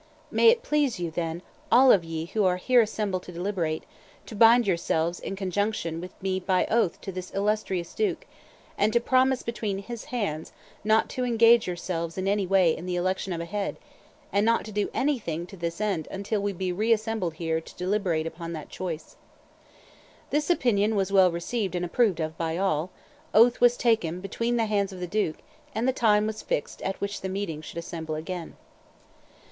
May it please you, then, all of ye who are here assembled to deliberate, to bind yourselves in conjunction with me by oath to this illustrious duke, and to promise between his hands not to engage yourselves in any way in the election of a Head, and not to do anything to this end until we be re assembled here to deliberate upon that choice.' This opinion was well received and approved of by all: oath was taken between the hands of the duke, and the time was fixed at which the meeting should assemble again."